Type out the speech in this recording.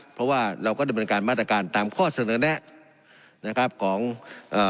เพราะว่าเราก็ดำเนินการมาตรการตามข้อเสนอแนะนะครับของเอ่อ